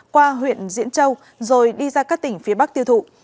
qua huyện diễn châu rồi đi ra các tỉnh phía bắc tiêu thụ